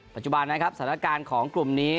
ปัจจุบันนะครับสถานการณ์ของกลุ่มนี้